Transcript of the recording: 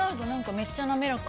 めっちゃ滑らか。